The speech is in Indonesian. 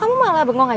aku sekarang nunggu